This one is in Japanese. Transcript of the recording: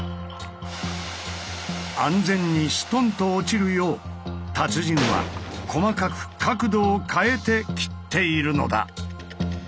安全にストンと落ちるよう達人は細かく角度を変えて切っているのだ。